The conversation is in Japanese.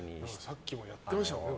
さっきもやってましたもんね。